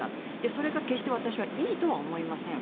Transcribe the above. それが決して私はいいとは思いません。